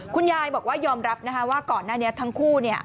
คุณยายบอกว่ายอมรับนะคะว่าก่อนหน้านี้ทั้งคู่